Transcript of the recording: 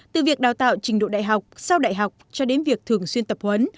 từ việc đào tạo trình độ đại học sau đại học cho đến việc thường xuyên tập huấn